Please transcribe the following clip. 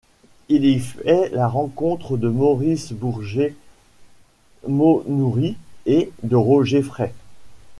Il y fait la rencontre de Maurice Bourgès-Maunoury et de Roger Frey.